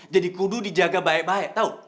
jadi kudu dijaga baik baik tau